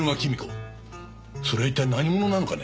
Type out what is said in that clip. それは一体何者なのかね？